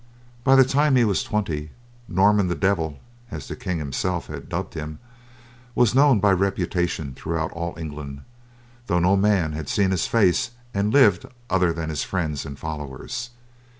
By the time he was twenty, Norman the Devil, as the King himself had dubbed him, was known by reputation throughout all England, though no man had seen his face and lived other than his friends and followers.